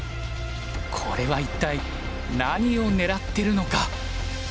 これは一体何を狙ってるのか。